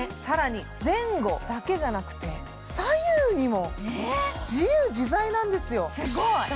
さらに前後だけじゃなくて左右にも自由自在なんですよ・